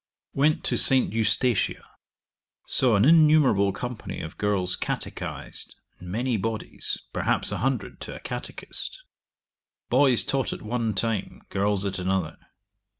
'Went to St. Eustatia; saw an innumerable company of girls catechised, in many bodies, perhaps 100 to a catechist. Boys taught at one time, girls at another.